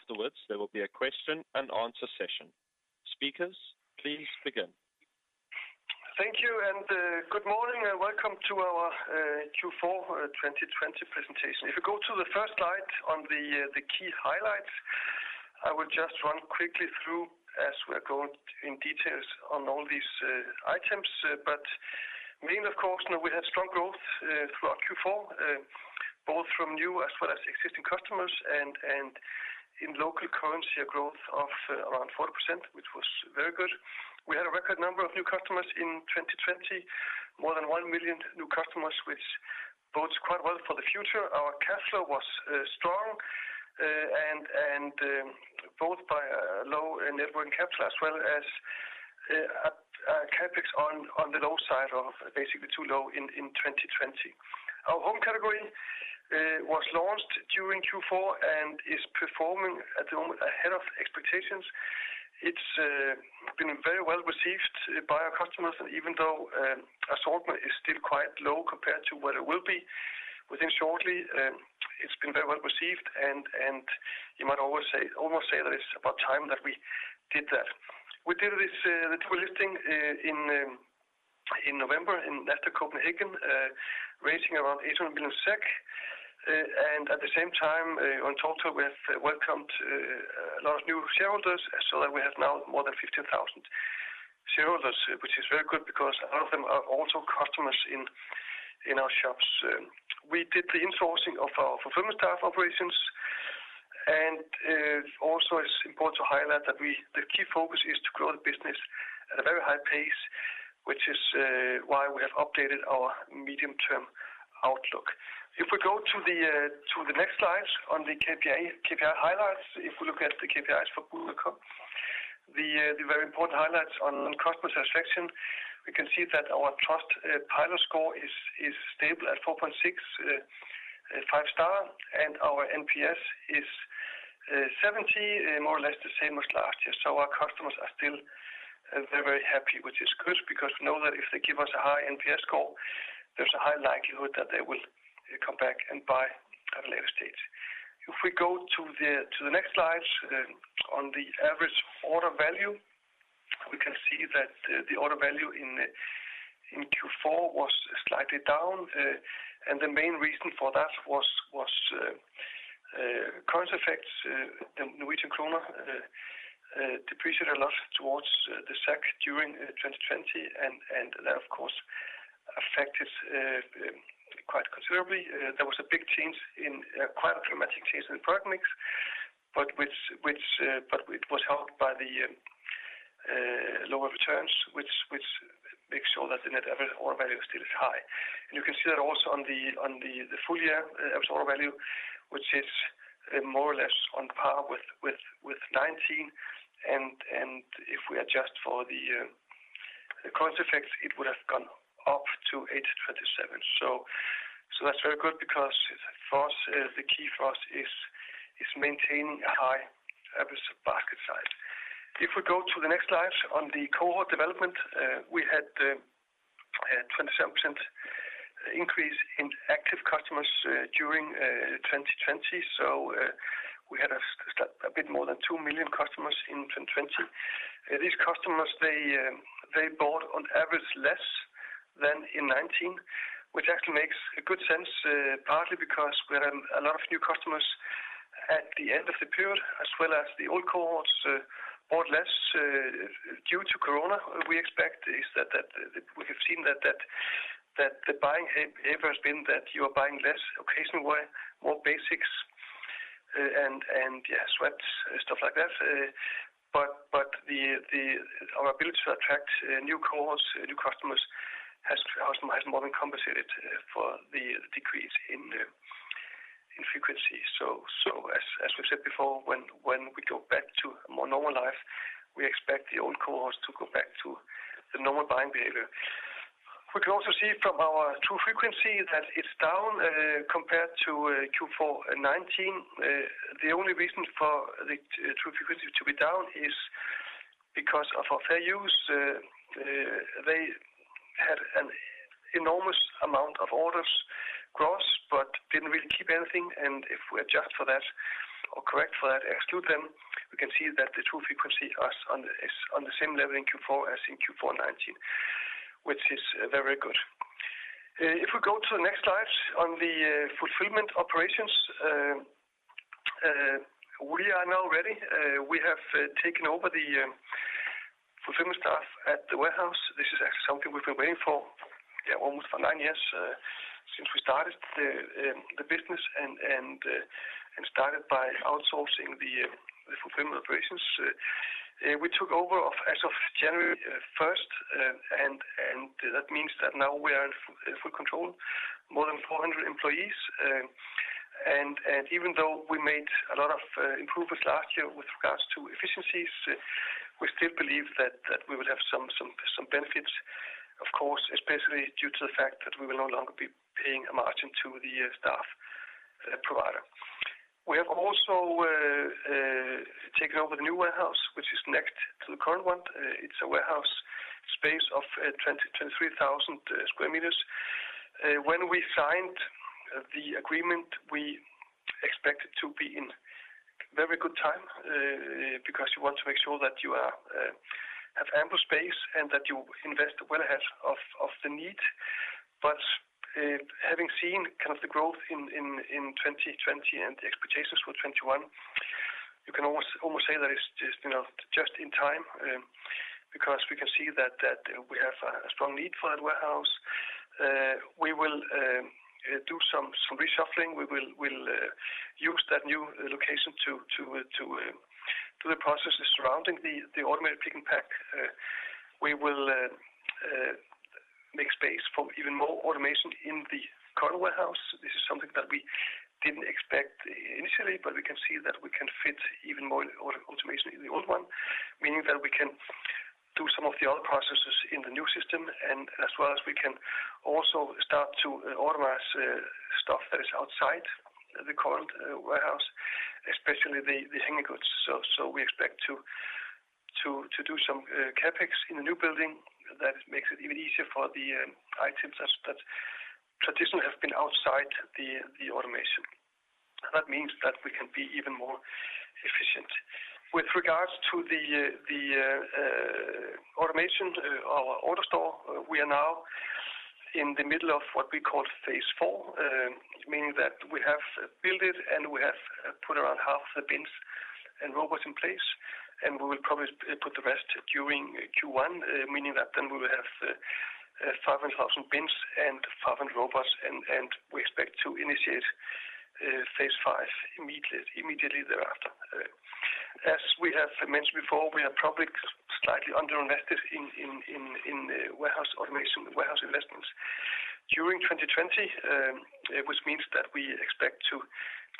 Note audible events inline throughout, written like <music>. Afterwards, there will be a question and answer session. Speakers, please begin. Thank you, and good morning, and welcome to our Q4 2020 presentation. If you go to the first slide on the key highlights, I will just run quickly through as we are going in details on all these items. Main, of course, we had strong growth throughout Q4, both from new as well as existing customers, and in local currency, a growth of around 40%, which was very good. We had a record number of new customers in 2020, more than one million new customers, which bodes quite well for the future. Our cash flow was strong, and both by a low net working capital as well as CapEx on the low side of basically too low in 2020. Our home category was launched during Q4 and is performing at the moment ahead of expectations. It's been very well received by our customers. Even though assortment is still quite low compared to what it will be within shortly, it's been very well received. You might almost say that it's about time that we did that. We did this dual listing in November in Nasdaq Copenhagen, raising around 800 million SEK. At the same time, on total, we have welcomed a lot of new shareholders. We have now more than 15,000 shareholders, which is very good because a lot of them are also customers in our shops. We did the insourcing of our fulfillment staff operations. It's important to highlight that the key focus is to grow the business at a very high pace, which is why we have updated our medium-term outlook. If we go to the next slides on the KPI highlights, if we look at the KPIs for Boozt.com, the very important highlights on customer satisfaction, we can see that our Trustpilot score is stable at four point six, five star, and our NPS is 70, more or less the same as last year. Our customers are still very happy, which is good because we know that if they give us a high NPS score, there's a high likelihood that they will come back and buy at a later stage. If we go to the next slides on the average order value, we can see that the order value in Q4 was slightly down. The main reason for that was currency effects. The Norwegian kroner depreciated a lot towards the SEK during 2020. That, of course, affected quite considerably. There was a big change in, quite a dramatic change in product mix. It was helped by the lower returns, which makes sure that the net average order value is still high. You can see that also on the full year average order value, which is more or less on par with 2019. If we adjust for the currency effects, it would have gone up to 827. That's very good because the key for us is maintaining a high average basket size. If we go to the next slides on the cohort development, we had a 27% increase in active customers during 2020. We had a bit more than two million customers in 2020. These customers, they bought on average less than in 2019, which actually makes a good sense, partly because we had a lot of new customers at the end of the period, as well as the old cohorts bought less due to Corona. We expect that we have seen that the buying behavior has been that you are buying less occasionally, more basics, and sweats, stuff like that. Our ability to attract new cohorts, new customers has more than compensated for the decrease in frequency. As we've said before, when we go back to a more normal life, we expect the old cohorts to go back to the normal buying behavior. We can also see from our true frequency that it's down compared to Q4 2019. The only reason for the true frequency to be down is because of our fair use. They had an enormous amount of orders gross but didn't really keep anything. If we adjust for that or correct for that, exclude them, we can see that the true frequency is on the same level in Q4 as in Q4 2019, which is very good. If we go to the next slides on the fulfillment operations, we are now ready. We have taken over the fulfillment staff at the warehouse. This is actually something we've been waiting for almost for nine years, since we started the business and started by outsourcing the fulfillment operations. We took over as of January first, that means that now we are in full control, more than 400 employees. Even though we made a lot of improvements last year with regards to efficiencies, we still believe that we will have some benefits, of course, especially due to the fact that we will no longer be paying a margin to the staff provider. We have also Taking over the new warehouse, which is next to the current one. It's a warehouse space of 23,000 sq m. When we signed the agreement, we expected to be in very good time, because you want to make sure that you have ample space and that you invest well ahead of the need. Having seen the growth in 2020 and the expectations for 2021, you can almost say that it's just in time, because we can see that we have a strong need for that warehouse. We will do some reshuffling. We'll use that new location to do the processes surrounding the automated pick and pack. We will make space for even more automation in the current warehouse. This is something that we didn't expect initially, but we can see that we can fit even more automation in the old one, meaning that we can do some of the other processes in the new system and as well as we can also start to automize stuff that is outside the current warehouse, especially the hanging goods. We expect to do some CapEx in the new building that makes it even easier for the items that traditionally have been outside the automation. That means that we can be even more efficient. With regards to the automation, our AutoStore, we are now in the middle of what we call phase four, meaning that we have built it, and we have put around half the bins and robots in place, and we will probably put the rest during Q1, meaning that then we will have 500,000 bins and 500 robots, and we expect to initiate phase five immediately thereafter. As we have mentioned before, we are probably slightly under-invested in warehouse automation, warehouse investments during 2020, which means that we expect to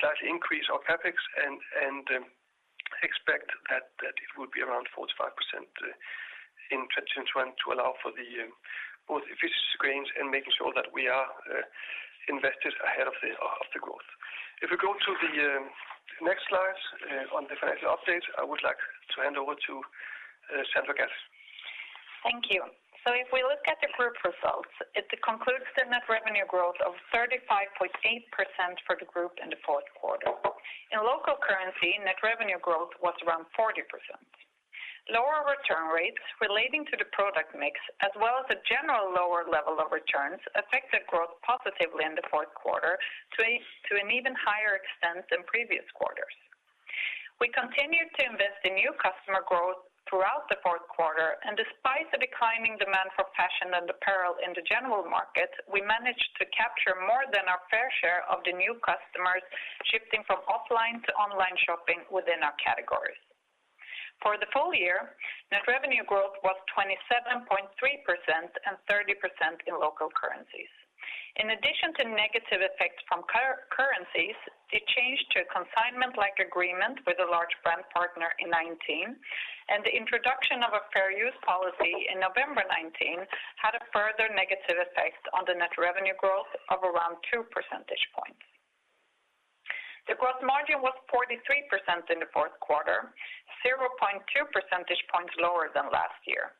slightly increase our CapEx and expect that it will be around 45% in 2021 to allow for both efficiency gains and making sure that we are invested ahead of the growth. If we go to the next slide on the financial update, I would like to hand over to Sandra Gadd. Thank you. If we look at the group results, it concludes the net revenue growth of 35.8% for the group in the fourth quarter. In local currency, net revenue growth was around 40%. Lower return rates relating to the product mix, as well as a general lower level of returns, affected growth positively in the fourth quarter to an even higher extent than previous quarters. We continued to invest in new customer growth throughout the fourth quarter, and despite a declining demand for fashion and apparel in the general market, we managed to capture more than our fair share of the new customers shifting from offline to online shopping within our categories. For the full year, net revenue growth was 27.3% and 30% in local currencies. In addition to negative effects from currencies, the change to a consignment-like agreement with a large brand partner in 2019 and the introduction of a fair use policy in November 2019 had a further negative effect on the net revenue growth of around two percentage points. The gross margin was 43% in the fourth quarter, zero point two percentage points lower than last year.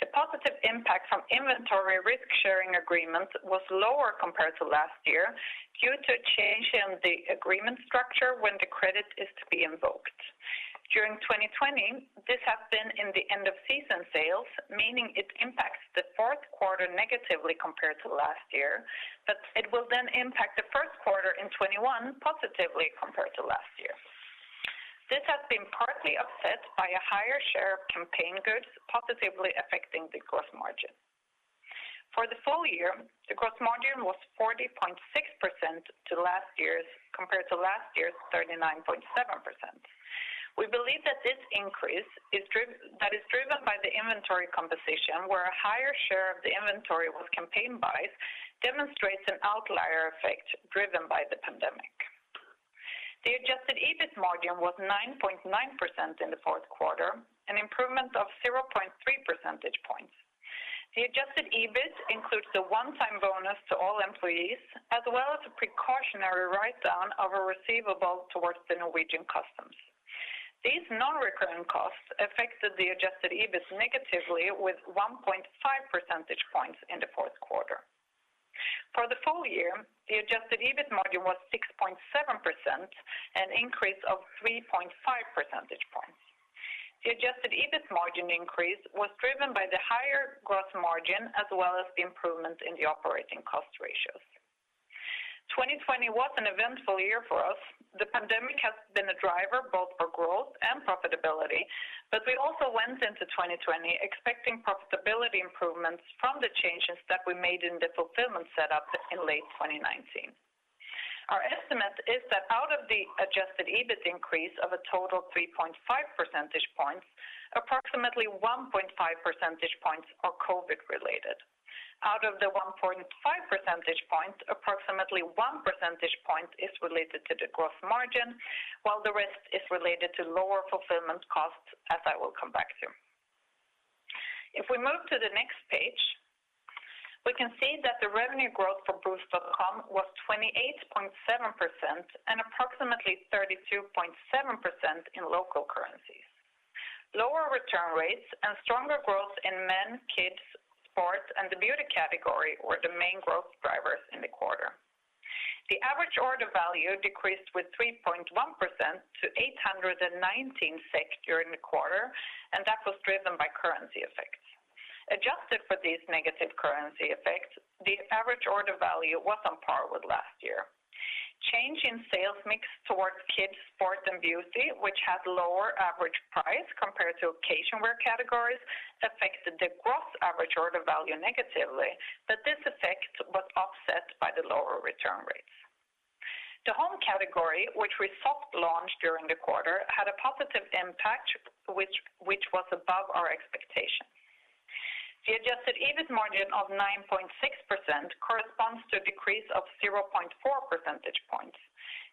The positive impact from inventory risk-sharing agreements was lower compared to last year, due to a change in the agreement structure when the credit is to be invoked. During 2020, this has been in the end-of-season sales, meaning it impacts the fourth quarter negatively compared to last year, but it will then impact the first quarter in 2021 positively compared to last year. This has been partly offset by a higher share of campaign goods positively affecting the gross margin. For the full year, the gross margin was 40.6% compared to last year's 39.7%. We believe that this increase that is driven by the inventory composition where a higher share of the inventory was campaign buys, demonstrates an outlier effect driven by the pandemic. The adjusted EBIT margin was nine point nine percent in the fourth quarter, an improvement of zero point three percentage points. The adjusted EBIT includes the one-time bonus to all employees, as well as a precautionary write-down of a receivable towards the Norwegian customs. These non-recurring costs affected the adjusted EBIT negatively with one point five percentage points in the fourth quarter. For the full year, the adjusted EBIT margin was six point seven percent, an increase of three point five percentage points. The adjusted EBIT margin increase was driven by the higher gross margin as well as the improvement in the operating cost ratios. 2020 was an eventful year for us. The pandemic has been a driver both for growth and profitability. We also went into 2020 expecting profitability improvements from the changes that we made in the fulfillment setup in late 2019. Our estimate is that out of the adjusted EBIT increase of a total three point five percentage points, approximately one point five percentage points are COVID related. Out of the one point five percentage points, approximately one percentage point is related to the gross margin, while the rest is related to lower fulfillment costs, as I will come back to. If we move to the next page, we can see that the revenue growth for Boozt.com was 28.7% and approximately 32.7% in local currencies. Lower return rates and stronger growth in men, kids, sports, and the beauty category were the main growth drivers in the quarter. The average order value decreased with three point one percent to 819 SEK during the quarter, and that was driven by currency effects. Adjusted for these negative currency effects, the average order value was on par with last year. Change in sales mix towards kids, sports, and beauty, which had lower average price compared to occasion wear categories, affected the gross average order value negatively, but this effect was offset by the lower return rates. The home category, which we soft launched during the quarter, had a positive impact, which was above our expectation. The adjusted EBIT margin of nine point six percent corresponds to a decrease of zero point four percentage points.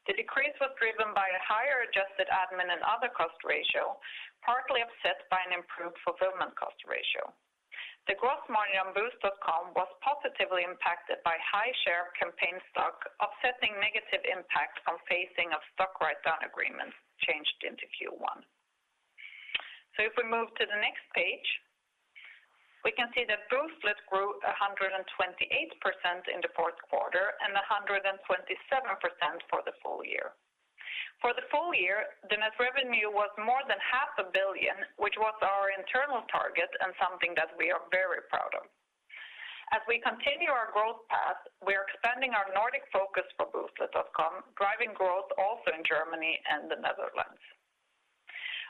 The decrease was driven by a higher adjusted admin and other cost ratio, partly offset by an improved fulfillment cost ratio. The gross margin on Boozt.com was positively impacted by high share of campaign stock offsetting negative impact on phasing of stock write-down agreements changed into Q1. If we move to the next page, we can see that Booztlet grew 128% in the fourth quarter and 127% for the full year. For the full year, the net revenue was more than SEK half a billion, which was our internal target and something that we are very proud of. As we continue our growth path, we are expanding our Nordic focus for Booztlet.com, driving growth also in Germany and the Netherlands.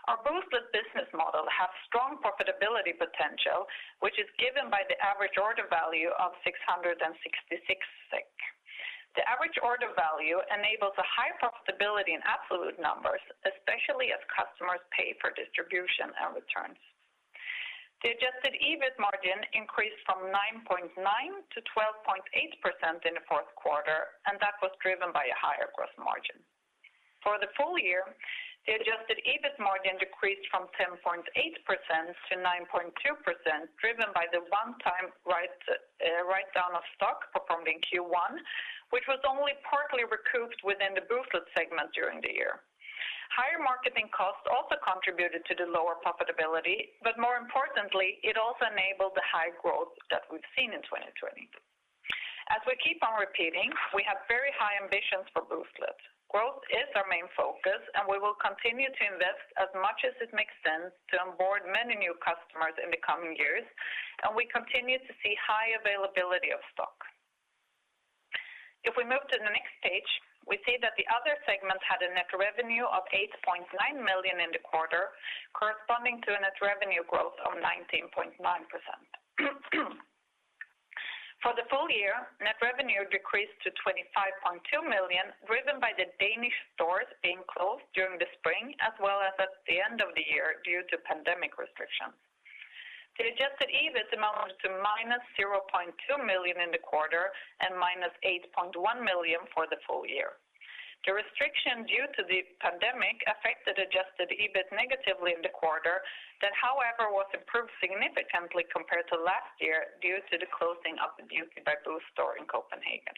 Our Booztlet business model has strong profitability potential, which is given by the average order value of 666 SEK. The average order value enables a high profitability in absolute numbers, especially as customers pay for distribution and returns. The adjusted EBIT margin increased from nine point nine to 12.8% in the fourth quarter, and that was driven by a higher gross margin. For the full year, the adjusted EBIT margin decreased from 10.8% to nine point two percent, driven by the one-time write-down of stock performed in Q1, which was only partly recouped within the Booztlet segment during the year. Higher marketing costs also contributed to the lower profitability, but more importantly, it also enabled the high growth that we've seen in 2020. As we keep on repeating, we have very high ambitions for Booztlet. Growth is our main focus, and we will continue to invest as much as it makes sense to onboard many new customers in the coming years, and we continue to see high availability of stock. If we move to the next page, we see that the other segment had a net revenue of 8.9 million in the quarter, corresponding to a net revenue growth of 19.9%. For the full year, net revenue decreased to 25.2 million, driven by the Danish stores being closed during the spring as well as at the end of the year due to pandemic restrictions. The adjusted EBIT amounted to -0.2 million in the quarter and -8.1 million for the full year. The restriction due to the pandemic affected adjusted EBIT negatively in the quarter, that however, was improved significantly compared to last year due to the closing of the Beauty by Boozt store in Copenhagen.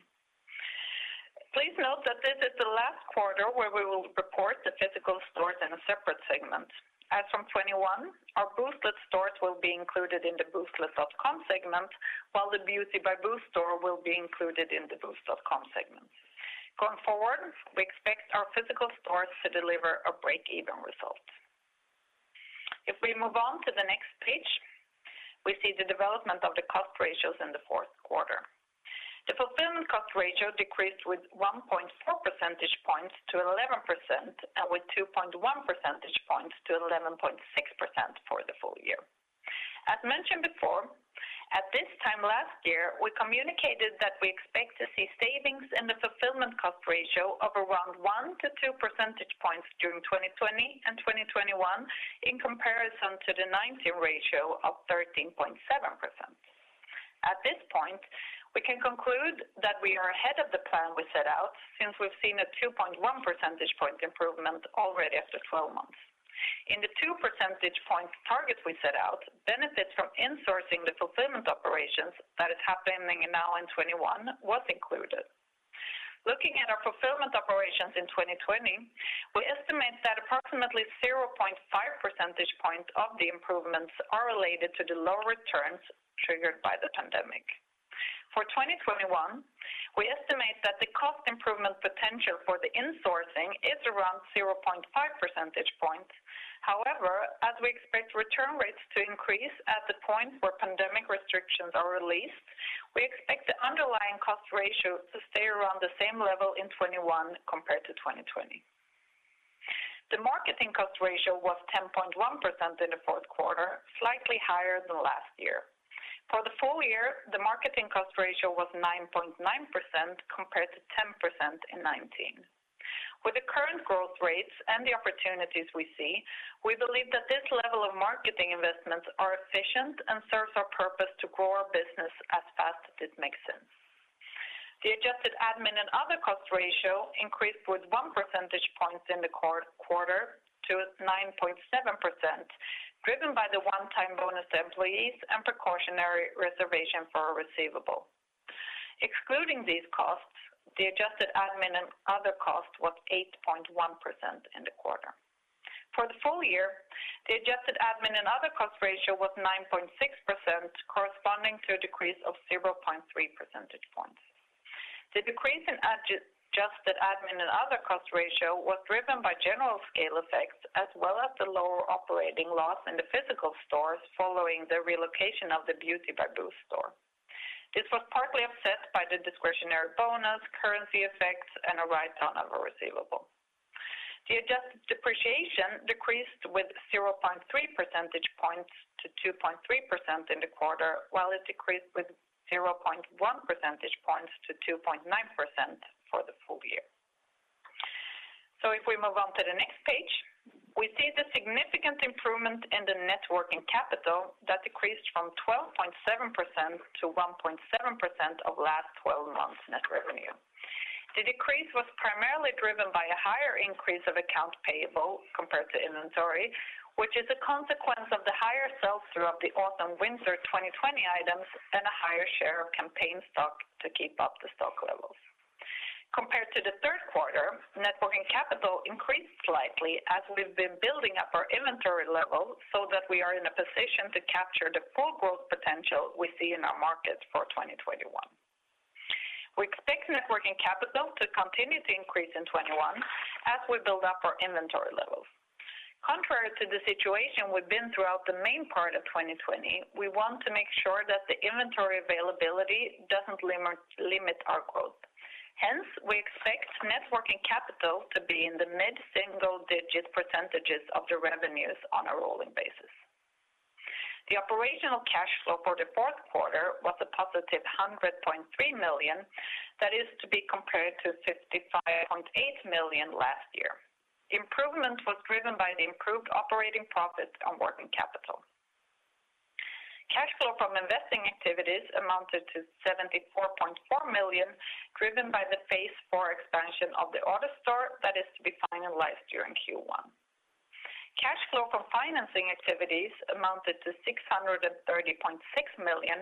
Please note that this is the last quarter where we will report the physical stores in a separate segment. As from 2021, our Booztlet stores will be included in the Booztlet.com segment, while the Beauty by Boozt store will be included in the Boozt.com segment. Going forward, we expect our physical stores to deliver a break-even result. We move on to the next page, we see the development of the cost ratios in the fourth quarter. The fulfillment cost ratio decreased with one point four percentage points to 11% and with two point one percentage points to 11.6% for the full year. As mentioned before, at this time last year, we communicated that we expect to see savings in the fulfillment cost ratio of around one to two percentage points during 2020 and 2021 in comparison to the 2019 ratio of 13.7%. At this point, we can conclude that we are ahead of the plan we set out, since we've seen a 2.1 percentage point improvement already after 12 months. In the two percentage points target we set out, benefits from insourcing the fulfillment operations that is happening now in 2021 was included. Looking at our fulfillment operations in 2020, we estimate that approximately zero point five percentage points of the improvements are related to the low returns triggered by the pandemic. For 2021, we estimate that the cost improvement potential for the insourcing is around zero point five percentage points. However, as we expect return rates to increase at the point where pandemic restrictions are released, we expect the underlying cost ratio to stay around the same level in 2021 compared to 2020. The marketing cost ratio was 10.1% in the fourth quarter, slightly higher than last year. For the full year, the marketing cost ratio was nine point nine percent compared to 10% in 2019. With the current growth rates and the opportunities we see, we believe that this level of marketing investments are efficient and serves our purpose to grow our business as fast as it makes sense. The adjusted admin and other cost ratio increased with one percentage point in the quarter to nine point seven percent, driven by the one-time bonus employees and precautionary reservation for a receivable. Excluding these costs, the adjusted admin and other costs was eight point one percent in the quarter. For the full year, the adjusted admin and other cost ratio was nine point six percent, corresponding to a decrease of zero point three percentage points. The decrease in adjusted admin and other cost ratio was driven by general scale effects as well as the lower operating loss in the physical stores following the relocation of the Beauty by Boozt store. This was partly offset by the discretionary bonus, currency effects, and a write-down of a receivable. The adjusted depreciation decreased with zero point three percentage points to two point three percent in the quarter, while it decreased with zero point one percentage points to two point nine percent for the full year. If we move on to the next page, we see the significant improvement in the net working capital that decreased from 12.7% to one point seven percent of last 12 months net revenue. The decrease was primarily driven by a higher increase of accounts payable compared to inventory, which is a consequence of the higher sell-through of the autumn/winter 2020 items and a higher share of campaign stock to keep up the stock levels. Compared to the third quarter, net working capital increased slightly as we've been building up our inventory level so that we are in a position to capture the full growth potential we see in our markets for 2021. We expect net working capital to continue to increase in 2021 as we build up our inventory levels. Contrary to the situation we've been throughout the main part of 2020, we want to make sure that the inventory availability doesn't limit our growth. We expect net working capital to be in the mid-single-digit percentages of the revenues on a rolling basis. The operational cash flow for the fourth quarter was a positive 100.3 million. That is to be compared to 55.8 million last year. Improvement was driven by the improved operating profit on working capital. Cash flow from investing activities amounted to 74.4 million, driven by the phase four expansion of the AutoStore that is to be finalized during Q1. Cash flow from financing activities amounted to 630.6 million,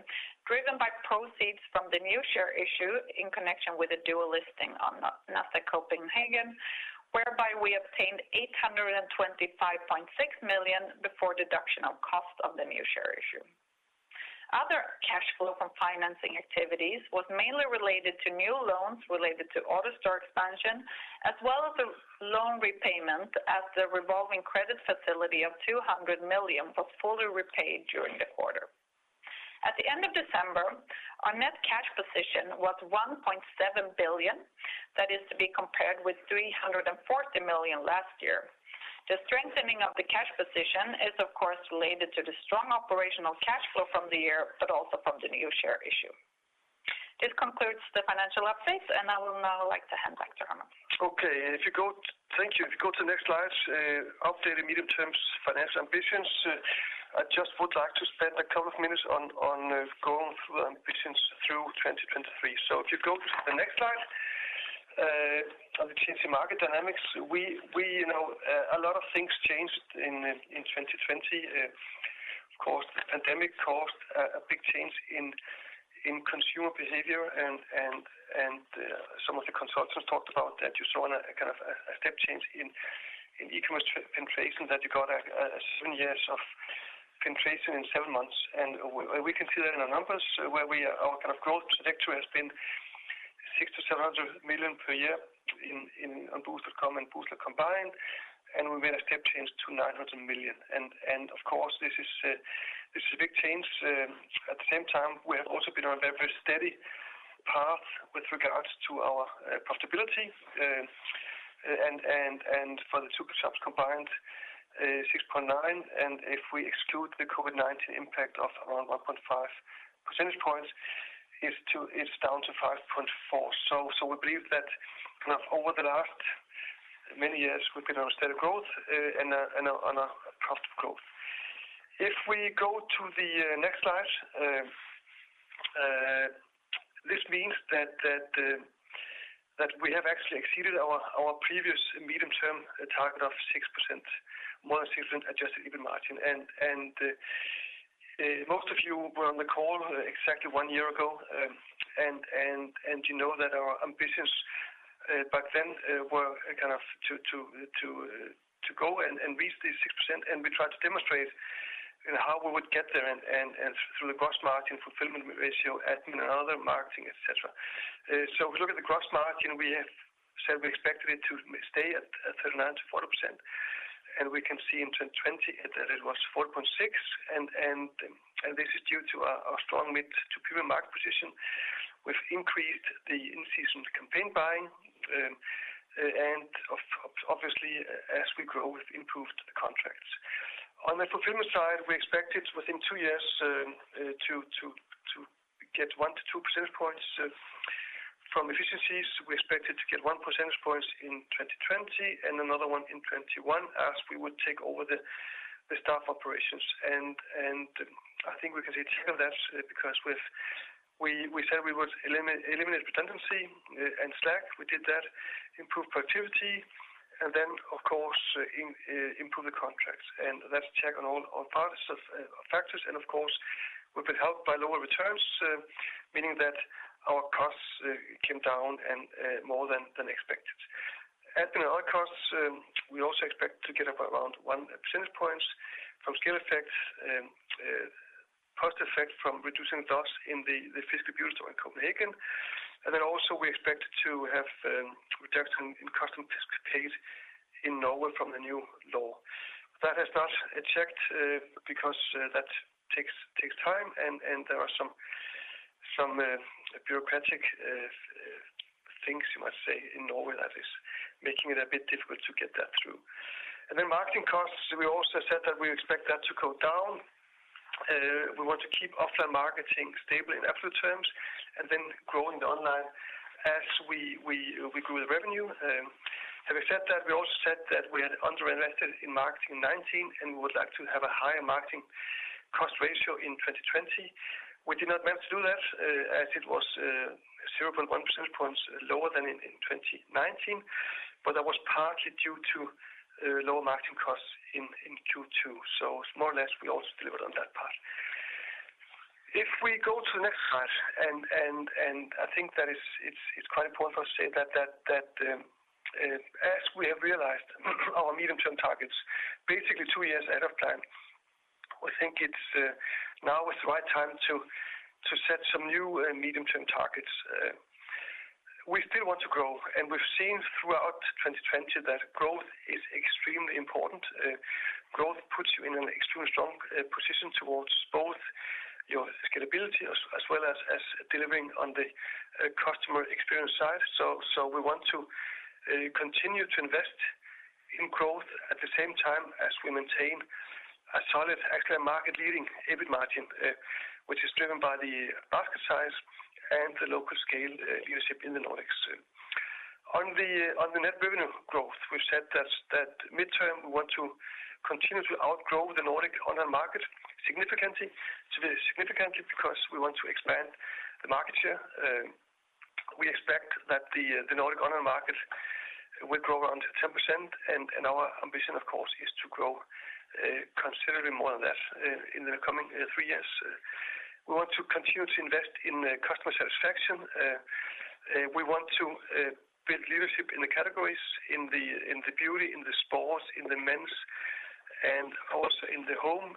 driven by proceeds from the new share issue in connection with the dual listing on Nasdaq Copenhagen, whereby we obtained 825.6 million before deduction of cost of the new share issue. Other cash flow from financing activities was mainly related to new loans related to AutoStore expansion, as well as a loan repayment as the revolving credit facility of 200 million was fully repaid during the quarter. At the end of December, our net cash position was 1.7 billion. That is to be compared with 340 million last year. The strengthening of the cash position is, of course, related to the strong operational cash flow from the year but also from the new share issue. This concludes the financial update, I would now like to hand back to Anders. Okay, thank you. Updated medium-term financial ambitions. I just would like to spend a couple of minutes on going through the ambitions through 2023. On the changing market dynamics, a lot of things changed in 2020. Of course, the pandemic caused a big change in consumer behavior, and some of the consultants talked about that you saw a step change in e-commerce penetration, that you got seven years of penetration in seven months. We can see that in our numbers, where our growth trajectory has been 600 million to 700 million per year on Boozt.com and Booztlet combined, and we made a step change to 900 million. Of course, this is a big change. At the same time, we have also been on a very steady path with regards to our profitability, and for the two shops combined, six point nine. If we exclude the COVID-19 impact of around one point five percentage points, it's down to five point four. We believe that over the last many years, we've been on a steady growth and on a path of growth. If we go to the next slide. This means that we have actually exceeded our previous medium-term target of more than six percent adjusted EBIT margin. Most of you were on the call exactly one year ago, and you know that our ambitions back then were to go and reach this six percent, and we tried to demonstrate how we would get there through the gross margin, fulfillment ratio, admin and other, marketing, et cetera. If we look at the gross margin, we said we expected it to stay at 39% to 40%, and we can see in 2020 that it was four point six, and this is due to our strong mid- to premium market position. We've increased the in-season campaign buying, and obviously, as we grow, we've improved the contracts. On the fulfillment side, we expect it within two years to get one to two percentage points in 2020 and another one in 2021, as we would take over the staff operations. I think we can say tick of that because we said we would eliminate redundancy and slack, we did that, improve productivity, and then, of course, improve the contracts. That's a check on all parts of factors, and of course, we've been helped by lower returns, meaning that our costs came down more than expected. Admin and other costs, we also expect to get up around one percentage points from scale effects, post effect from reducing DOS in the physical Beauty by Boozt store in Copenhagen. Also we expect to have reduction in customs duties paid in Norway from the new law. That has not checked because that takes time, and there are some bureaucratic things, you might say, in Norway that is making it a bit difficult to get that through. Marketing costs, we also said that we expect that to go down. We want to keep offline marketing stable in absolute terms growing the online as we grew the revenue. Having said that, we also said that we had under-invested in marketing in 2019, we would like to have a higher marketing cost ratio in 2020. We did not manage to do that as it was zero point one percentage points lower than in 2019. That was partly due to lower marketing costs in Q2. It's more or less we also delivered on that part. If we go to the next slide, I think that it's quite important for us to say that as we have realized our medium-term targets basically two years ahead of time, we think now is the right time to set some new medium-term targets. We still want to grow. We've seen throughout 2020 that growth is extremely important. Growth puts you in an extremely strong position towards both your scalability as well as delivering on the customer experience side. We want to continue to invest in growth at the same time as we maintain a solid, actually a market-leading EBIT margin, which is driven by the basket size and the local scale leadership in the Nordics. On the net revenue growth, we've said that mid-term, we want to continue to outgrow the Nordic online market significantly because we want to expand the market share. We expect that the Nordic online market will grow around 10%, and our ambition, of course, is to grow considerably more than that in the coming three years. We want to continue to invest in customer satisfaction. We want to build leadership in the categories, in the beauty, in the sports, in the men's, and also in the home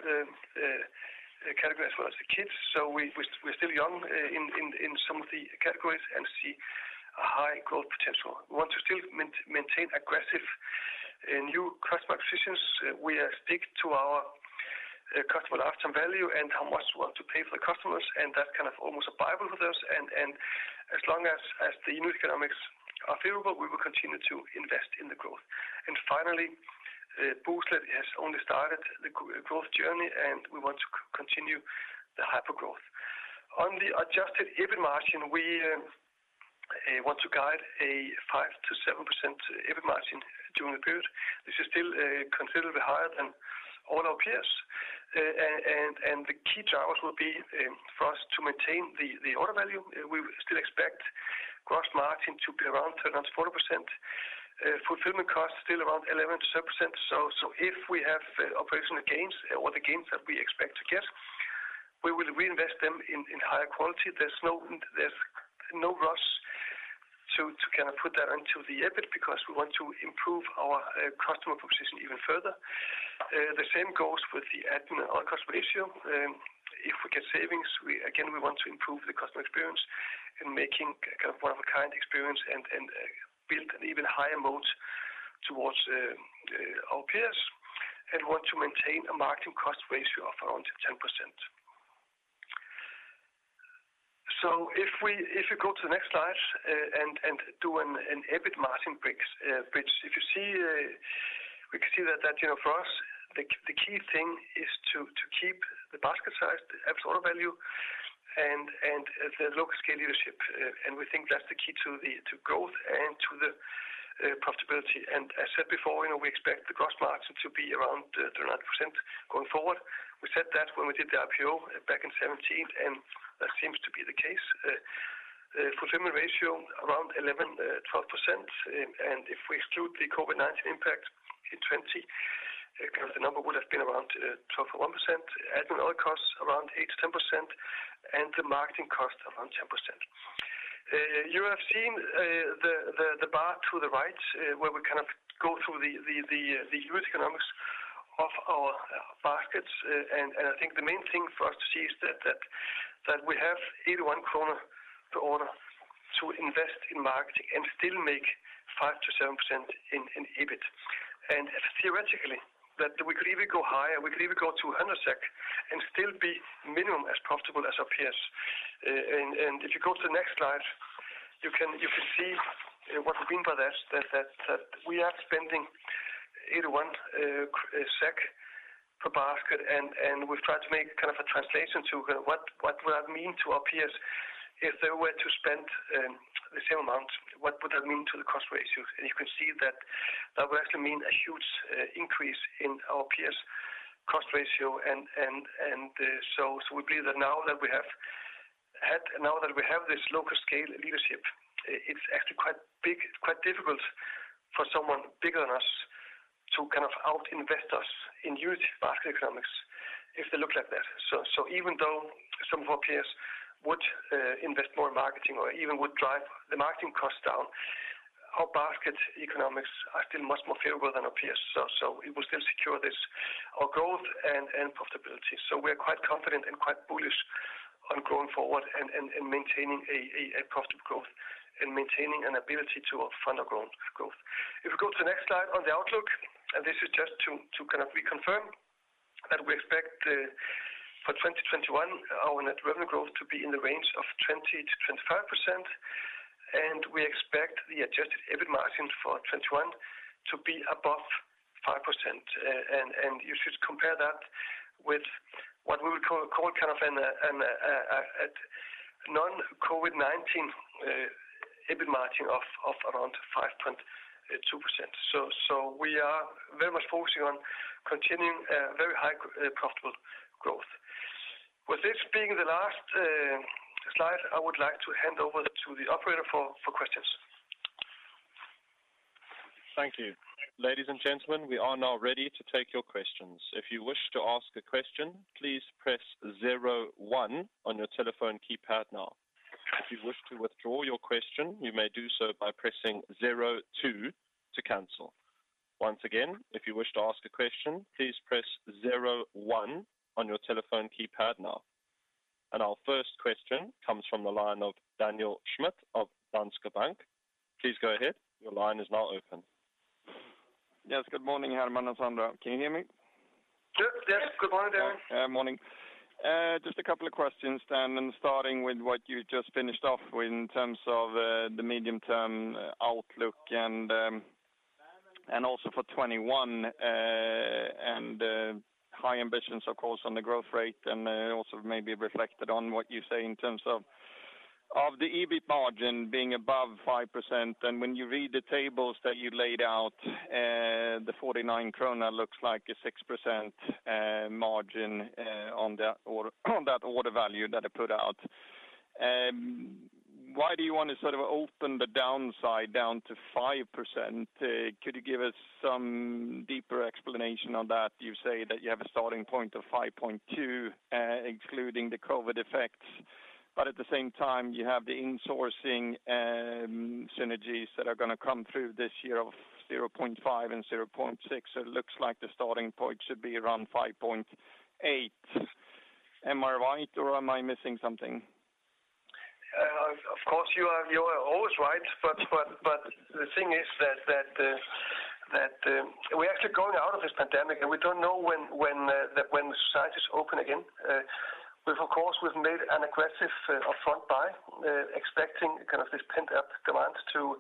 category as well as the kids. We're still young in some of the categories and see a high growth potential. We want to still maintain aggressive new customer positions. We stick to our customer lifetime value and how much we want to pay for the customers, and that's kind of almost a Bible for us. As long as the unit economics are favorable, we will continue to invest in the growth. Finally, Boozt has only started the growth journey, and we want to continue the hypergrowth. On the adjusted EBIT margin, we want to guide a five to seven percent EBIT margin during the period. This is still considerably higher than all our peers. The key drivers will be for us to maintain the order value. We still expect gross margin to be around 39% to 40%. Fulfillment costs still around 11% to 12%. If we have operational gains or the gains that we expect to get, we will reinvest them in higher quality. There's no rush to put that onto the EBIT because we want to improve our customer position even further. The same goes with the admin and other cost ratio. If we get savings, again, we want to improve the customer experience in making kind of one-of-a-kind experience and build an even higher moat towards our peers and want to maintain a marketing cost ratio of around 10%. If you go to the next slide and do an EBIT margin bridge, we can see that for us, the key thing is to keep the basket size, the absolute order value, and the local scale leadership, and we think that's the key to growth and to the profitability. As said before, we expect the gross margin to be around 39% going forward. We said that when we did the IPO back in 2017, and that seems to be the case. The fulfillment ratio around 11% to 12%, and if we exclude the COVID-19 impact in 2020, the number would have been around 12% or one percent. Admin and other costs around eight to 10%, and the marketing cost around 10%. You have seen the bar to the right where we kind of go through the unit economics of our baskets, and I think the main thing for us to see is that we have 81 kronor per order to invest in marketing and still make five to seven percent in EBIT. Theoretically, that we could even go higher, we could even go to 100 SEK and still be minimum as profitable as our peers. If you go to the next slide, you can see what we mean by that we are spending 81 SEK per basket, and we've tried to make a translation to what would that mean to our peers if they were to spend the same amount? What would that mean to the cost ratio? You can see that that would actually mean a huge increase in our peers' cost ratio. We believe that now that we have this local scale leadership, it's actually quite difficult for someone bigger than us to out-invest us in huge basket economics if they look like that. Even though some of our peers would invest more in marketing or even would drive the marketing cost down, our basket economics are still much more favorable than our peers. It will still secure our growth and profitability. We are quite confident and quite bullish on going forward and maintaining a profitable growth and maintaining an ability to fund our growth. If you go to the next slide on the outlook, this is just to reconfirm that we expect for 2021 our net revenue growth to be in the range of 20% to 25%, and we expect the adjusted EBIT margin for 2021 to be above five percent. You should compare that with what we would call a non-COVID-19 EBIT margin of around five point two percent. We are very much focusing on continuing very high profitable growth. With this being the last slide, I would like to hand over to the operator for questions. Our first question comes from the line of Daniel Schmidt of Danske Bank. Please go ahead. Your line is now open. Yes. Good morning, Hermann and Sandra. Can you hear me? Yes. Good morning, Daniel. <crosstalk> Morning. Just a couple of questions then, starting with what you just finished off with in terms of the medium-term outlook and also for 2021, high ambitions, of course, on the growth rate, also maybe reflected on what you say in terms of the EBIT margin being above five percent. When you read the tables that you laid out, the 49 krona looks like a six percent margin on that order value that I put out. Why do you want to open the downside down to five percent? Could you give us some deeper explanation on that? You say that you have a starting point of five point two excluding the COVID effects. At the same time, you have the insourcing synergies that are going to come through this year of zero point five and zero point six. It looks like the starting point should be around five point eight. Am I right or am I missing something? Of course, you are always right. The thing is that we are actually going out of this pandemic, and we don't know when the society is open again. Of course, we've made an aggressive upfront buy, expecting this pent-up demand to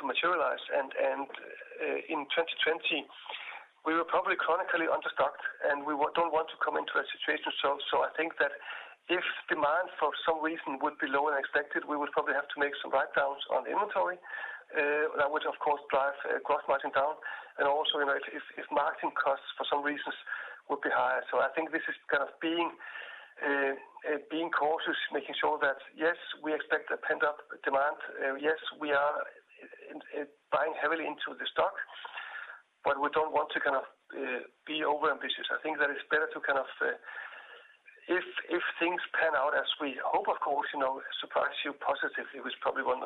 materialize. In 2020, we were probably chronically understocked, and we don't want to come into that situation. I think that if demand for some reason would be lower than expected, we would probably have to make some write-downs on inventory, that would of course drive gross margin down, and also if marketing costs for some reasons would be higher. I think this is being cautious, making sure that, yes, we expect a pent-up demand. Yes, we are buying heavily into the stock, but we don't want to be overambitious. I think that it's better to, if things pan out as we hope, of course, surprise you positively, which probably will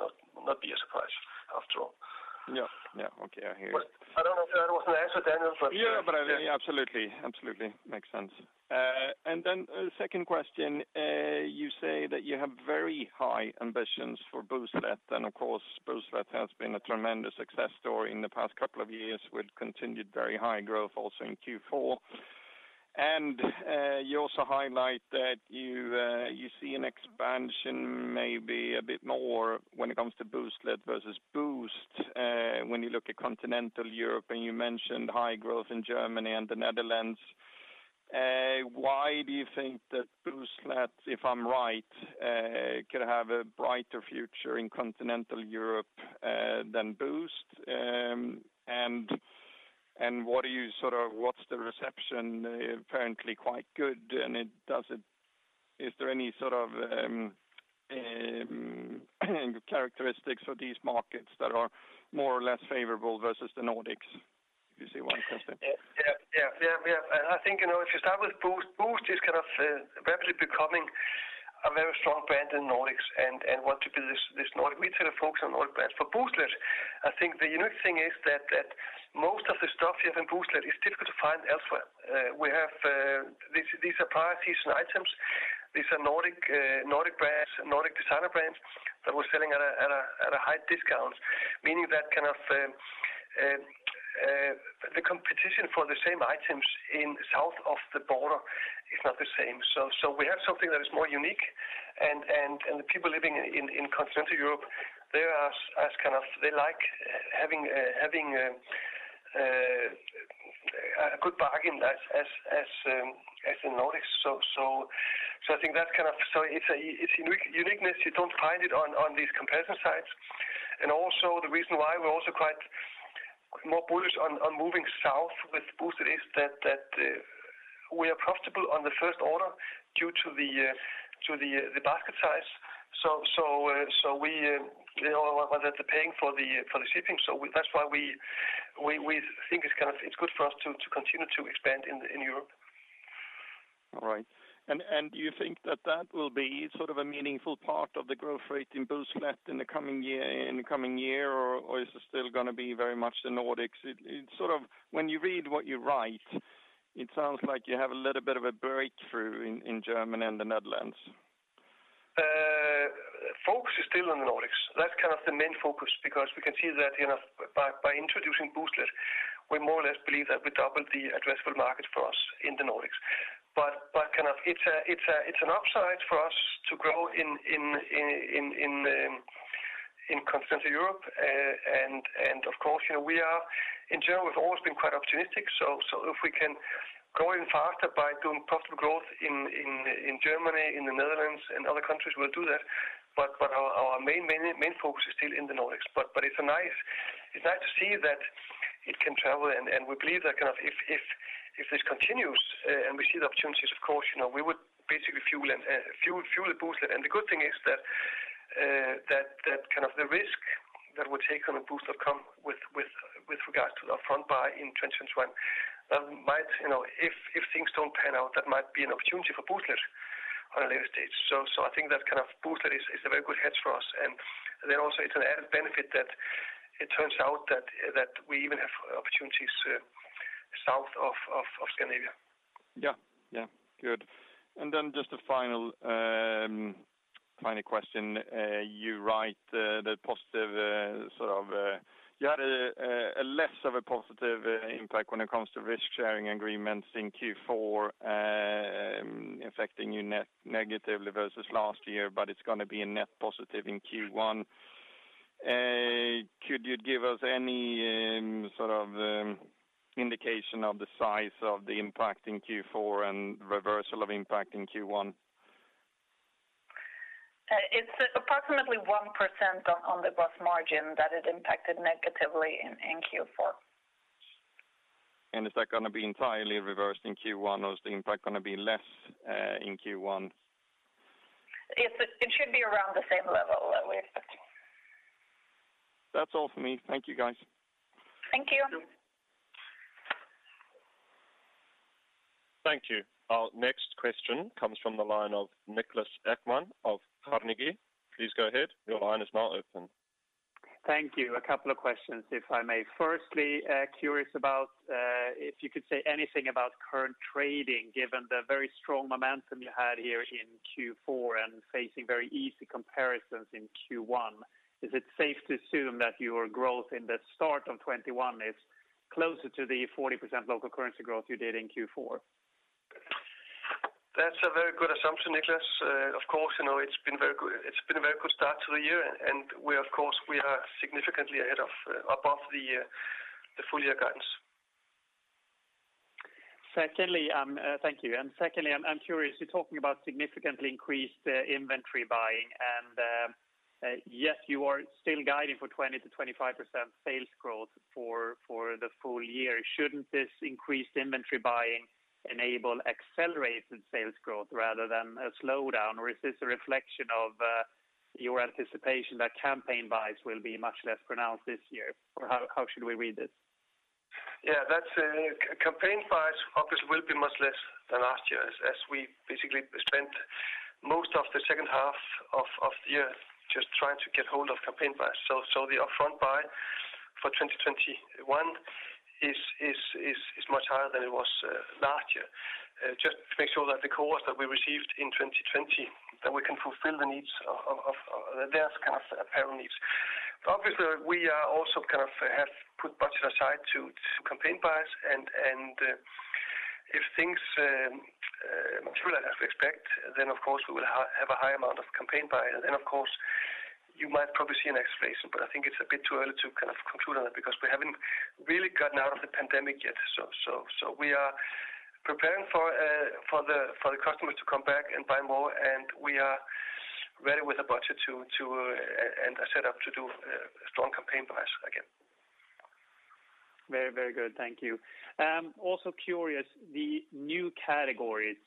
not be a surprise after all. Yeah. Okay. I hear you. I don't know if that was an answer, Daniel? Yeah. Absolutely. Makes sense. Then second question, you say that you have very high ambitions for Booztlet, of course, Booztlet has been a tremendous success story in the past couple of years with continued very high growth also in Q4. You also highlight that you see an expansion maybe a bit more when it comes to Booztlet versus Boozt when you look at Continental Europe, you mentioned high growth in Germany and the Netherlands. Why do you think that Booztlet, if I'm right, could have a brighter future in Continental Europe than Boozt? What's the reception? Apparently quite good. Is there any sort of characteristics for these markets that are more or less favorable versus the Nordics? If you see what I'm saying. Yeah. I think, if you start with Boozt is rapidly becoming a very strong brand in Nordics and want to be this Nordic retailer focused on Nordic brands. For Booztlet, I think the unique thing is that most of the stuff you have in Booztlet is difficult to find elsewhere. These are previous season items. These are Nordic brands, Nordic designer brands that we're selling at a high discount, meaning that, kind of, the competition for the same items in south of the border is not the same. We have something that is more unique, and the people living in continental Europe, they like having a good bargain as a Nordic. I think its uniqueness you don't find it on these comparison sites. The reason why we're also more bullish on moving south with Booztlet is that we are profitable on the first order due to the basket size. We are paying for the shipping, so that's why we think it's good for us to continue to expand in Europe. All right. Do you think that that will be sort of a meaningful part of the growth rate in Booztlet in the coming year, or is it still going to be very much the Nordics? When you read what you write, it sounds like you have a little bit of a breakthrough in Germany and the Netherlands. Focus is still on the Nordics. That's kind of the main focus because we can see that, by introducing Booztlet, we more or less believe that we doubled the addressable market for us in the Nordics. It's an upside for us to grow in continental Europe. Of course, in general, we've always been quite opportunistic. If we can grow even faster by doing profitable growth in Germany, in the Netherlands and other countries, we'll do that. Our main focus is still in the Nordics. It's nice to see that it can travel, and we believe that if this continues and we see the opportunities, of course, we would basically fuel Booztlet. The good thing is that the risk that we take on a Booztlet come with regards to the upfront buy in 2021, if things don't pan out, that might be an opportunity for Booztlet at a later stage. I think that Booztlet is a very good hedge for us. Also it's an added benefit that it turns out that we even have opportunities south of Scandinavia. Yeah. Good. Just a final question. You write that you had a less of a positive impact when it comes to risk-sharing agreements in Q4, affecting you net negatively versus last year, but it's going to be a net positive in Q1. Could you give us any sort of indication of the size of the impact in Q4 and reversal of impact in Q1? It's approximately one percent on the gross margin that it impacted negatively in Q4. Is that going to be entirely reversed in Q1, or is the impact going to be less in Q1? It should be around the same level that we expect. That's all from me. Thank you, guys. Thank you. Thank you. Thank you. Our next question comes from the line of Niklas Ekman of Carnegie. Please go ahead. Thank you. A couple of questions, if I may. Firstly, curious about if you could say anything about current trading, given the very strong momentum you had here in Q4 and facing very easy comparisons in Q1. Is it safe to assume that your growth in the start of 2021 is closer to the 40% local currency growth you did in Q4? That's a very good assumption, Niklas. Of course, it's been a very good start to the year, and we of course are significantly above the full year guidance. Thank you. Secondly, I'm curious, you're talking about significantly increased inventory buying, yes, you are still guiding for 20% to 25% sales growth for the full year. Shouldn't this increased inventory buying enable accelerated sales growth rather than a slowdown? Is this a reflection of your anticipation that campaign buys will be much less pronounced this year? How should we read this? Yeah. Campaign buys obviously will be much less than last year as we basically spent most of the second half of the year just trying to get hold of campaign buys. The upfront buy for 2021 is much higher than it was last year. Just to make sure that the cohorts that we received in 2020, that we can fulfill their apparel needs. Obviously, we also have put budget aside to campaign buys, and if things turn out as we expect, then of course, we will have a high amount of campaign buying. Of course, you might probably see an explanation, but I think it's a bit too early to conclude on that because we haven't really gotten out of the pandemic yet. We are preparing for the customers to come back and buy more, and we are ready with a budget and a set-up to do strong campaign buys again. Very good. Thank you. Curious, the new categories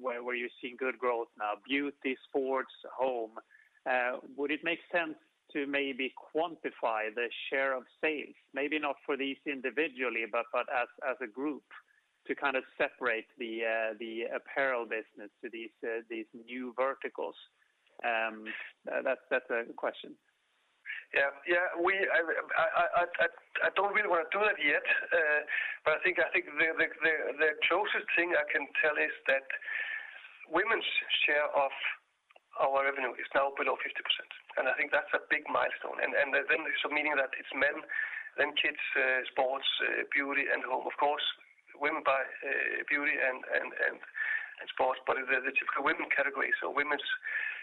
where you're seeing good growth now, beauty, sports, home, would it make sense to maybe quantify the share of sales? Maybe not for these individually, but as a group to kind of separate the apparel business to these new verticals? That's a question. Yeah. I don't really want to do that yet. I think the closest thing I can tell is that women's share of our revenue is now below 50%, and I think that's a big milestone. Then there's some meaning that it's men, then kids, sports, beauty, and home. Of course, women buy beauty and sports, but the typical women category, so women's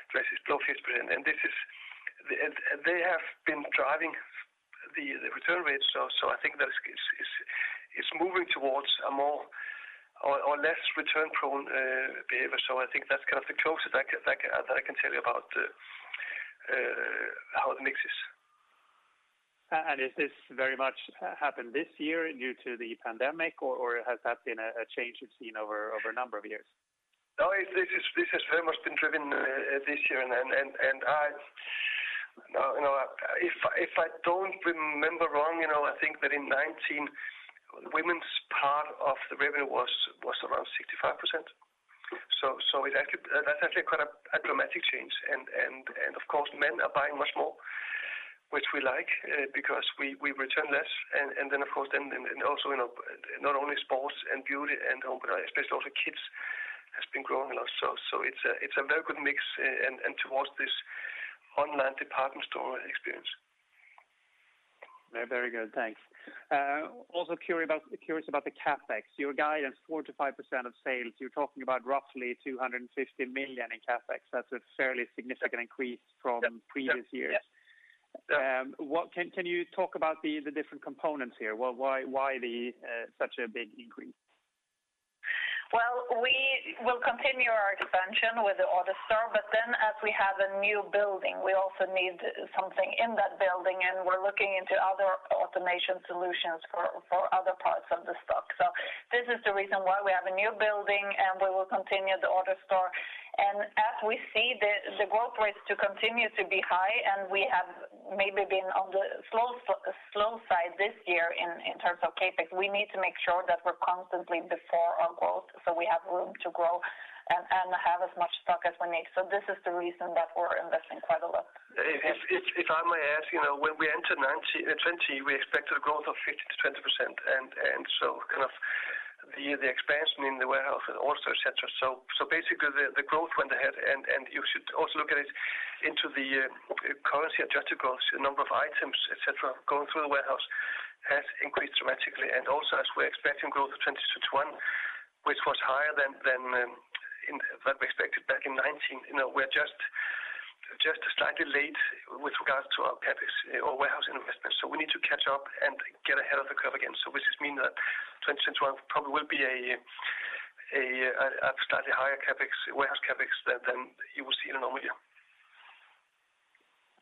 dresses below 50%. They have been driving the return rates, I think that it's moving towards a more or less return-prone behavior. I think that's kind of the closest I can tell you about how the mix is. Has this very much happened this year due to the pandemic, or has that been a change you've seen over a number of years? This has very much been driven this year. If I don't remember wrong, I think that in 2019, women's part of the revenue was around 65%. That's actually quite a dramatic change. Of course, men are buying much more, which we like because we return less. Of course, not only sports and beauty and home, but especially also kids has been growing a lot. It's a very good mix and towards this online department store experience. Very good. Thanks. Also curious about the CapEx. Your guidance, four to five percent of sales. You're talking about roughly 250 million in CapEx. That's a fairly significant increase from previous years. Yep. Can you talk about the different components here? Why such a big increase? We will continue our expansion with the AutoStore, but then as we have a new building, we also need something in that building, and we're looking into other automation solutions for other parts of the stock. This is the reason why we have a new building and we will continue the AutoStore. As we see the growth rates to continue to be high, and we have maybe been on the slow side this year in terms of CapEx, we need to make sure that we're constantly before our growth so we have room to grow and have as much stock as we need. This is the reason that we're investing quite a lot. If I may add, when we entered 2020, we expected a growth of 15% to 20%. Kind of the expansion in the warehouse and also et cetera. Basically, the growth went ahead, and you should also look at it into the currency-adjusted growth, number of items, et cetera, going through the warehouse has increased dramatically. Also, as we're expecting growth of 2020 to 2021, which was higher than we expected back in 2019. We're just slightly late with regards to our CapEx or warehouse investments. We need to catch up and get ahead of the curve again. Which means that 2020 to 2021 probably will be a slightly higher warehouse CapEx than you will see in a normal year.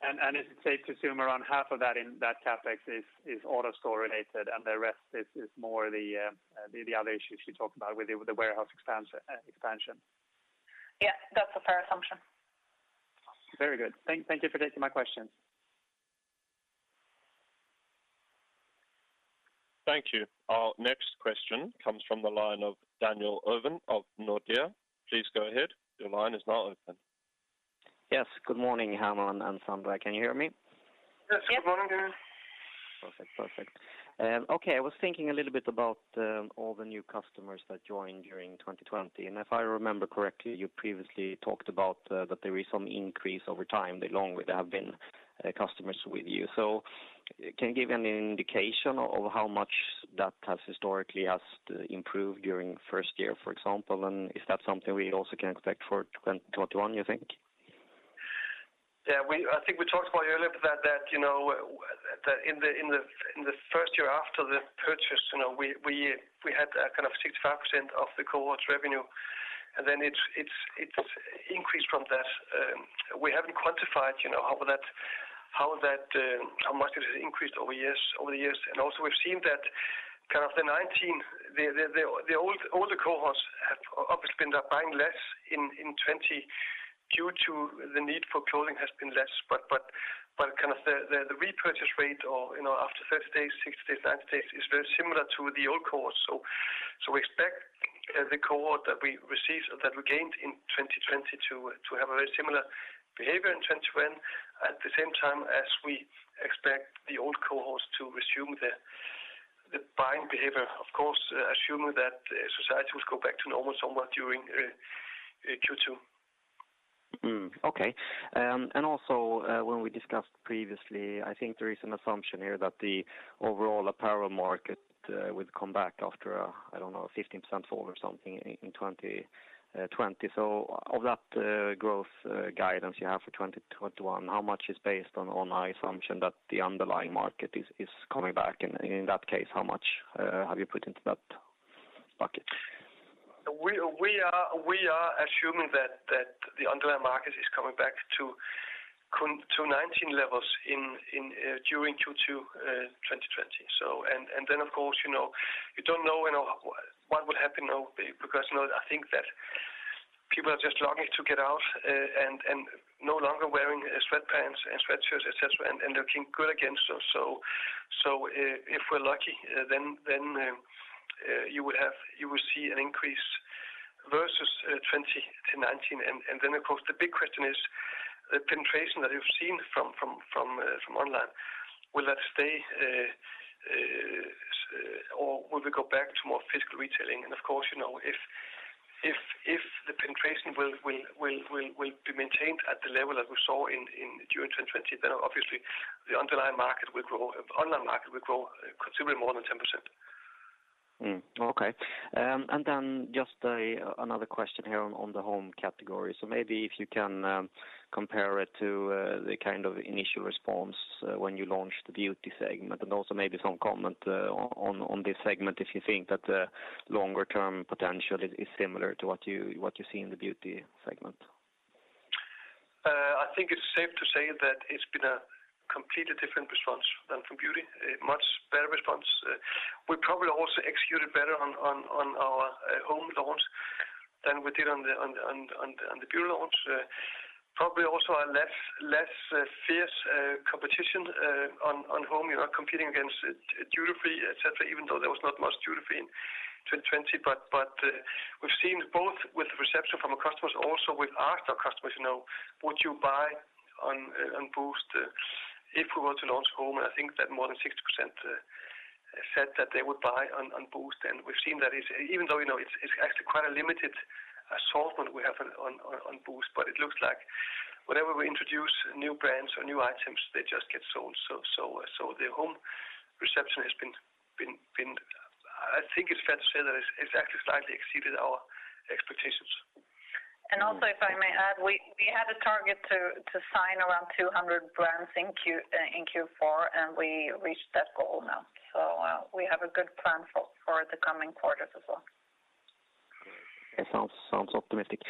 Is it safe to assume around half of that CapEx is AutoStore-related and the rest is more the other issues you talked about with the warehouse expansion? Yeah, that's a fair assumption. Very good. Thank you for taking my questions. Thank you. Our next question comes from the line of Daniel Ovin of Nordea. Please go ahead. Yes. Good morning, Hermann and Sandra. Can you hear me? Yes. Good morning. <crosstalk> Perfect. Okay. I was thinking a little bit about all the new customers that joined during 2020. If I remember correctly, you previously talked about that there is some increase over time the longer they have been customers with you. Can you give any indication of how much that has historically has improved during first year, for example, and is that something we also can expect for 2021, you think? Yeah, I think we talked about it earlier that in the first year after the purchase, we had kind of 65% of the cohort's revenue, and then it's increased from that. We haven't quantified how much it has increased over the years. Also we've seen that kind of the 2019, the older cohorts have obviously ended up buying less in 2020 due to the need for clothing has been less, kind of the repurchase rate or after 30 days, 60 days, 90 days is very similar to the old cohort. We expect the cohort that we received, that we gained in 2020 to have a very similar behavior in 2021, at the same time as we expect the old cohorts to resume their buying behavior, of course, assuming that society will go back to normal somewhat during Q2. Okay. Also, when we discussed previously, I think there is an assumption here that the overall apparel market would come back after, I don't know, 15% fall or something in 2020. Of that growth guidance you have for 2021, how much is based on assumption that the underlying market is coming back? In that case, how much have you put into that bucket? We are assuming that the underlying market is coming back to 2019 levels during Q2 2020. Then, of course, you don't know what will happen now because I think that people are just longing to get out and no longer wearing sweatpants and sweatshirts, et cetera, and looking good again. If we're lucky, then you will see an increase versus 2019. Then, of course, the big question is. The penetration that you've seen from online, will that stay or will we go back to more physical retailing? Of course, if the penetration will be maintained at the level that we saw during 2020, then obviously the online market will grow considerably more than 10%. Okay. Just another question here on the home category. Maybe if you can compare it to the kind of initial response when you launched the beauty segment and also maybe some comment on this segment, if you think that the longer-term potential is similar to what you see in the beauty segment. I think it's safe to say that it's been a completely different response than from beauty, a much better response. We probably also executed better on our home launch than we did on the beauty launch. Probably also a less fierce competition on home, you're not competing against duty free, et cetera, even though there was not much duty free in 2020. We've seen both with the reception from our customers, also we've asked our customers, "Would you buy on Boozt if we were to launch home?" I think that more than 60% said that they would buy on Boozt. We've seen that even though it's actually quite a limited assortment we have on Boozt, but it looks like whenever we introduce new brands or new items, they just get sold. The home reception has been, I think it's fair to say that it's actually slightly exceeded our expectations. Also, if I may add, we had a target to sign around 200 brands in Q4, and we reached that goal now. We have a good plan for the coming quarters as well. It sounds optimistic.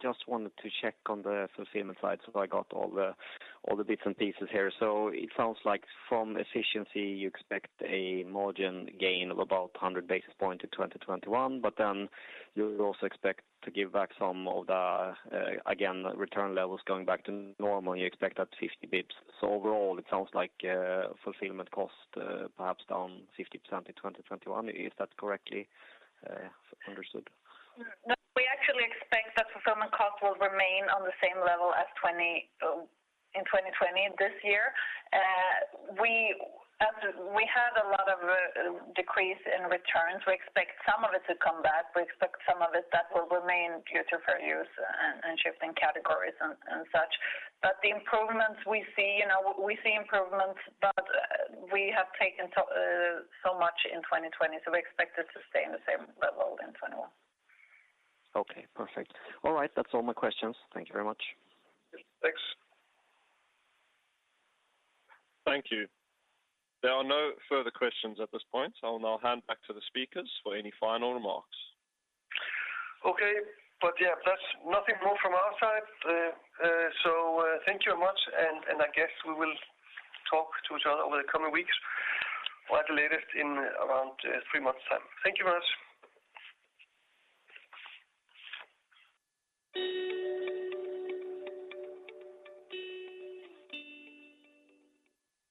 Just wanted to check on the fulfillment side, so I got all the bits and pieces here. It sounds like from efficiency, you expect a margin gain of about 100 basis points in 2021, but then you also expect to give back some of the, again, return levels going back to normal. You expect that 50 basis points. Overall, it sounds like fulfillment cost perhaps down 50% in 2021. Is that correctly understood? No, we actually expect that fulfillment cost will remain on the same level as in 2020, this year. We had a lot of decrease in returns. We expect some of it to come back. We expect some of it that will remain due to fair use and shift in categories and such. The improvements we see, but we have taken so much in 2020, so we expect it to stay in the same level in 2021. Okay, perfect. All right. That's all my questions. Thank you very much. Thanks. Thank you. There are no further questions at this point. I will now hand back to the speakers for any final remarks. Okay. Yeah, nothing more from our side. Thank you very much, and I guess we will talk to each other over the coming weeks, or at the latest in around three months' time. Thank you very much.